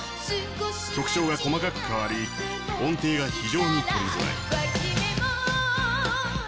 曲調が細かく変わり音程が非常に取りづらい。